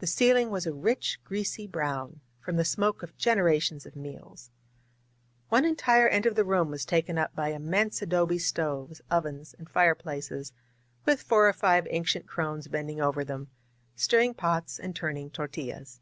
The ceiling was a rich, greasy brown, from the smoke of generations of meals. One entire end of the room was taken up by immense adobe stoves, ovens, and fireplaces, with four 69 INSURGENT MEXICO or five ancient crones bending over them, stirring pots and turning tortillas.